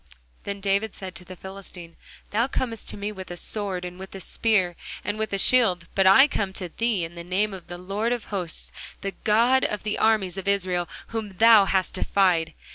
Then said David to the Philistine, Thou comest to me with a sword, and with a spear, and with a shield: but I come to thee in the name of the Lord of hosts, the God of the armies of Israel, whom thou hast defied.